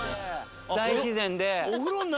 大自然で。